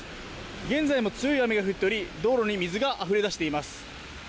現在も強い雨が降っており道路に水があふれ出しています。